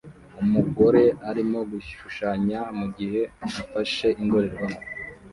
Umugore arimo gushushanya mugihe afashe indorerwamo